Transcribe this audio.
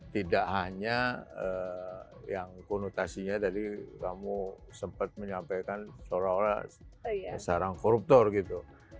tidak hanya yang konotasinya tadi kamu sempat menyampaikan seorang koruptor gitu